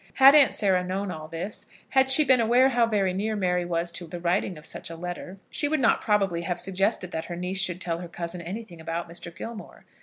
Had Aunt Sarah known all this, had she been aware how very near Mary was to the writing of such a letter, she would not probably have suggested that her niece should tell her cousin anything about Mr. Gilmore.